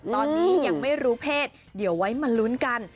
ตอนนี้ยังไม่รู้เพศเดี๋ยวไว้มาลุ้นกัน